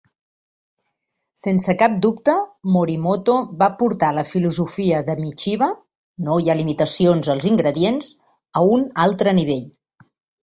Sense cap dubte, Morimoto va portar la filosofia de Michiba "no hi ha limitacions als ingredients" a un altre nivell.